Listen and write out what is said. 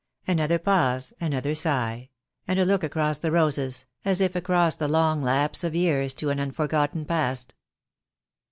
Another pause, another sigh, and a look across the roses, as if across the long lapse of years to an unfor gotten past.